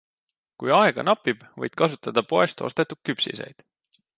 Kui aega napib, võid kasutada poest ostetud küpsiseid.